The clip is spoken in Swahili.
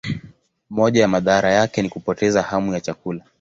Moja ya madhara yake ni kupoteza hamu ya chakula.